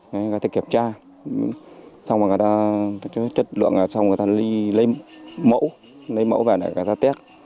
người ta kiểm tra xong rồi người ta chất lượng là xong rồi người ta lấy mẫu lấy mẫu về để người ta test